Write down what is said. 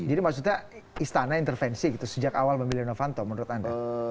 jadi maksudnya istana intervensi gitu sejak awal memilih nofanto menurut anda